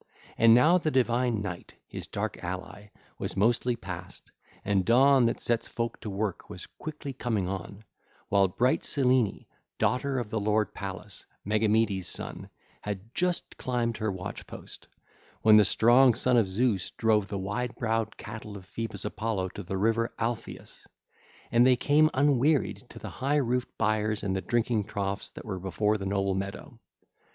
And now the divine night, his dark ally, was mostly passed, and dawn that sets folk to work was quickly coming on, while bright Selene, daughter of the lord Pallas, Megamedes' son, had just climbed her watch post, when the strong Son of Zeus drove the wide browed cattle of Phoebus Apollo to the river Alpheus. And they came unwearied to the high roofed byres and the drinking troughs that were before the noble meadow.